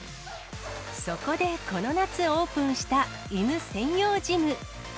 そこでこの夏オープンした犬専用ジム。